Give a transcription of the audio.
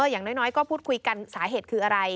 อย่างน้อยก็พูดคุยกันสาเหตุคืออะไร